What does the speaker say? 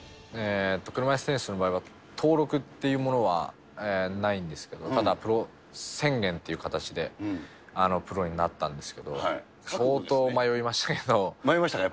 車いすテニスの場合は、登録っていうものはないんですけど、ただ、プロ宣言という形で、プロになったんですけど、迷いましたか？